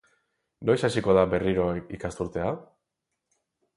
Noiz hasiko da berriro ikasturtea?